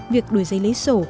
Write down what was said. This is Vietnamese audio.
việc đổi giấy lấy sổ